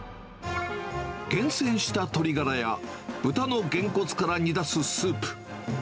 厳選した鶏がらや、豚のゲンコツから煮出すスープ。